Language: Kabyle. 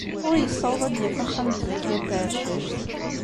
Ur yessaweḍ ad d-yaf axxam n Zakiya n Tɛeccact.